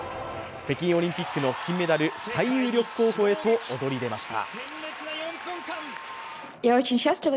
北京オリンピックの金メダル最有力候補へと躍り出ました。